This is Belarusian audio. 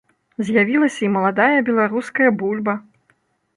З'явілася і маладая беларуская бульба!